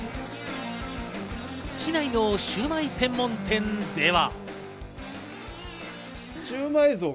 市内のシウマイ専門店では。